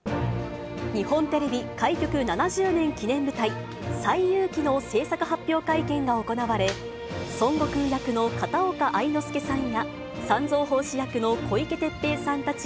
日本テレビ開局７０年記念舞台、西遊記の製作発表会見が行われ、孫悟空役の片岡愛之助さんや三蔵法師役の小池徹平さんたち